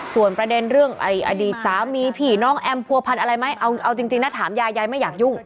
ส่วนประเด็นเรื่องอดีตสามีผีน้องแอมผัวพันธ์อะไรไหมเอาจริงนะถามยายยายไม่อยากยุ่ง